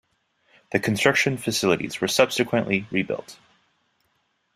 The construction facilities were subsequently re-built.